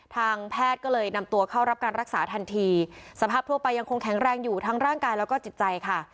ทางแพทย์ก็เลยนำตัวเข้ารับการรักษาทันทีสภาพทั่วไปยังคงแข็งแรงอยู่ทั้งร่างกายแล้วก็จิตใจค่ะ